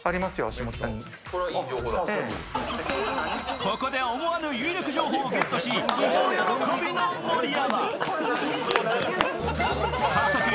ここで思わぬ有力情報をゲットし、大喜びな盛山。